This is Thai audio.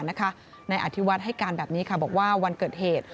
นายอธิวัฒน์ให้การแบบนี้ค่ะบอกว่าวันเกิดเหตุ